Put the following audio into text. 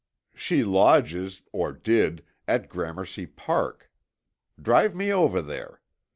"She lodges, or did, at Gramercy Park. Drive me over there.